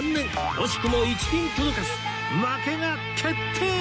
惜しくも１ピン届かず負けが決定！